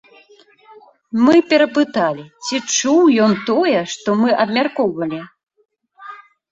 Мы перапыталі, ці чуў ён тое, што мы абмяркоўвалі?